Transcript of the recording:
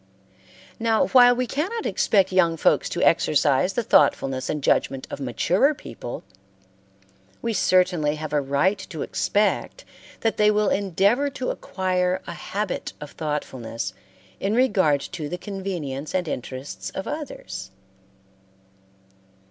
Now, while we cannot expect young folks to exercise the thoughtfulness and judgment of maturer people, we certainly have a right to expect that they will endeavor to acquire a habit of thoughtfulness in regard to the convenience and interests of others.